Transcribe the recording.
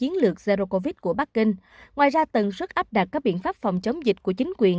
ngoài ra tầng sức áp đặt các biện pháp phòng chống dịch của chính quyền